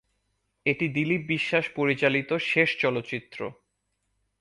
এটি দিলীপ বিশ্বাস পরিচালিত শেষ চলচ্চিত্র।